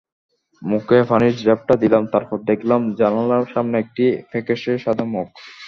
মুখে পানির ঝাপটা দিলাম, তারপর দেখলাম জানালার সামনে একটি ফ্যাকাসে সাদা মুখ।